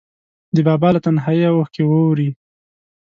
د بابا له تنهاییه اوښکې ووري